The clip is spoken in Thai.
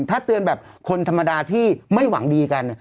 ถ้าเตือนแบบคนธรรมดาที่ไม่หวังดีกัน